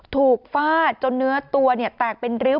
ฟาดจนเนื้อตัวแตกเป็นริ้ว